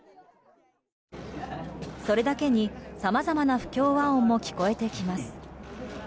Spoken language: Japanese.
それだけにさまざまな不協和音も聞こえてきます。